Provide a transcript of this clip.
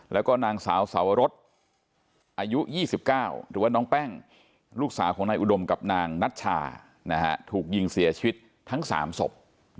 แล้วก็นางสาวสาวรสอายุ๒๙หรือว่าน้องแป้งลูกสาวของนายอุดมกับนางนัชชาถูกยิงเสียชีวิตทั้ง๓ศพ